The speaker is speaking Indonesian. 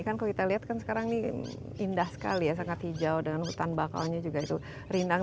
kan kalau kita lihat kan sekarang ini indah sekali ya sangat hijau dengan hutan bakalnya juga itu rindang